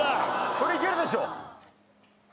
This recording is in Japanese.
これいけるでしょ。